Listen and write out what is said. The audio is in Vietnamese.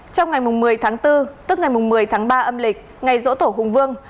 trong ngày một mươi tháng bốn tức ngày một mươi tháng ba âm lịch ngày rỗ tổ hùng vương